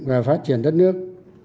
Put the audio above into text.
và phát triển đất nước